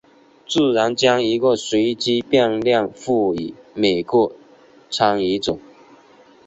自然将一个随机变量赋予每个参与者。